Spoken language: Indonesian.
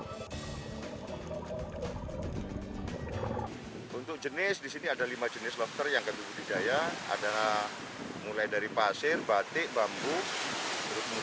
kondisi perairan selat bali yang berarus deras menjadi tantangan tersendiri dalam budidaya lobster di kawasan ini